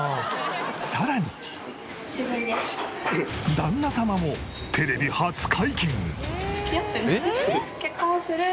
旦那様もテレビ初解禁！